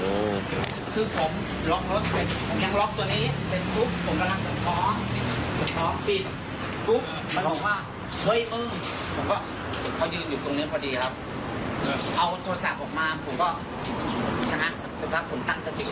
แล้วพี่ก็เอาสร้อยมาด้วย